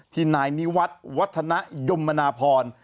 ที่นายนิวัตต์วัฒนยมมอนาพร